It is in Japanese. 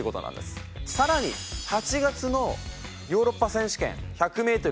更に８月のヨーロッパ選手権１００メートル